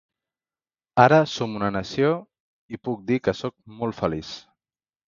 Ara som una nació... I puc dir que sóc molt feliç.